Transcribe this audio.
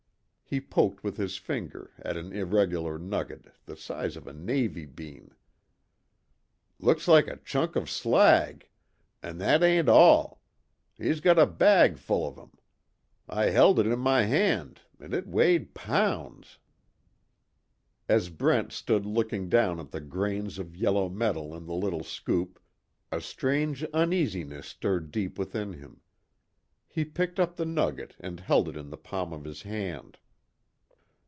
He poked with his finger at an irregular nugget the size of a navy bean, "Looks like a chunk of slag an' that ain't all! He's got a bag full of 'em. I held it in my hand, an' it weighed pounds!" As Brent stood looking down at the grains of yellow metal in the little scoop a strange uneasiness stirred deep within him. He picked up the nugget and held it in the palm of his hand.